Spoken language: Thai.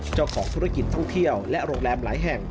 เจ้าของธุรกิจท่องเที่ยวและโรงแรมหลายแห่ง